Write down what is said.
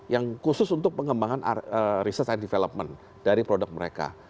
yang khusus untuk pengembangan research and development dari produk mereka